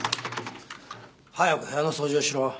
早く部屋の掃除をしろ。